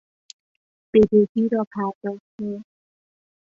بدهی را پرداختن